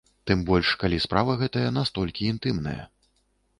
Тым больш, калі справа гэтая настолькі інтымная.